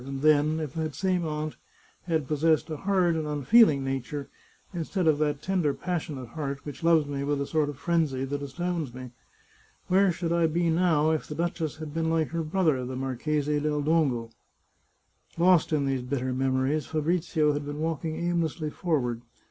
and then, if that same aunt had possessed a hard and unfeeling nature, instead of that tender passionate heart which loves me with a sort of frenzy that astounds me ? Where should I be now if the duchess had been like her brother, the Marchese del Dongo ?" Lost in these bitter memories, Fabrizio had been walk ing aimlessly forward.